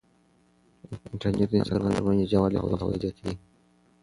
انټرنیټ د انسانانو ترمنځ نږدېوالی او پوهاوی زیاتوي.